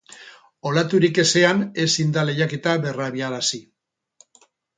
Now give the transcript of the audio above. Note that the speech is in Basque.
Olaturik ezean ezin da lehiaketa berrabiarazi.